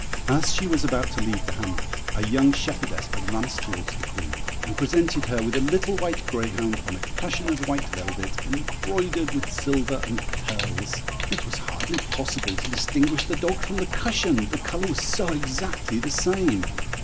As she was about to leave the hamlet, a young shepherdess advanced towards the Queen, and presented her with a little white greyhound on a cushion of white velvet, embroidered with silver and pearls: it was hardly possible to distinguish the dog from the cushion, the colour was so exactly the same.